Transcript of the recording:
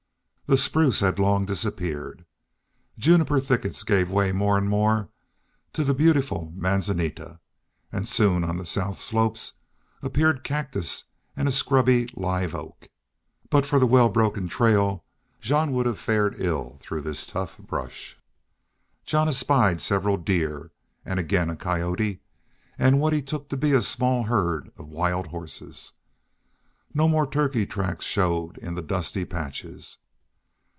The spruce had long disappeared. Juniper thickets gave way more and more to the beautiful manzanita; and soon on the south slopes appeared cactus and a scrubby live oak. But for the well broken trail, Jean would have fared ill through this tough brush. Jean espied several deer, and again a coyote, and what he took to be a small herd of wild horses. No more turkey tracks showed in the dusty patches.